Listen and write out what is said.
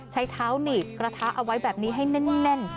ใช้เท้าหนีบกระทะเอาไว้แบบนี้ให้แน่น